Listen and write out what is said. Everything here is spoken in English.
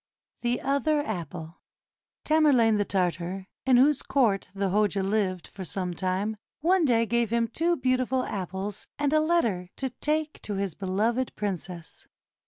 THE OTHER APPLE Tamerlane the Tartar, in whose court the Hoja lived for some time, one day gave him two beautiful apples and a letter to take to his beloved princess.